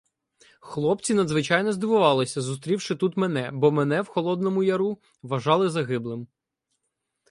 Хлопці надзвичайно здивувалися, зустрівши тут мене, бо мене в Холодному Яру вважали загиблим.